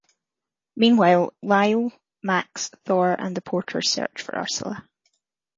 Meanwhile, Lyle, Max, Thor, and the porters search for Ursula.